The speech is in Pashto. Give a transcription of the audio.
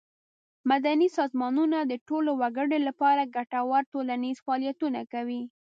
مدني سازمانونه د ټولو وګړو له پاره ګټور ټولنیز فعالیتونه کوي.